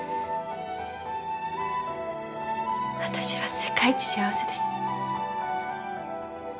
私は世界一幸せです。